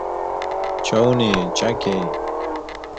جنگ عقوبت گناهان ما است.